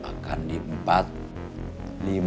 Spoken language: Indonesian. bukan cuman di tiga titik